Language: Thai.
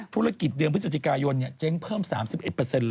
ธุรกิจเดือนพฤศจิกายนเจ๊งเพิ่ม๓๑เลย